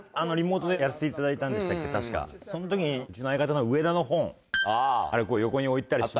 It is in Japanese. その時にうちの相方の上田の本横に置いてたり。